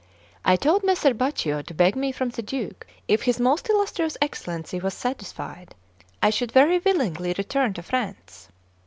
I told Messer Baccio to beg me from the Duke; if his most illustrious Excellency was satisfied, I should very willingly return to France.